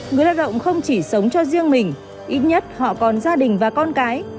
người lao động không chỉ sống cho riêng mình ít nhất họ còn gia đình và con cái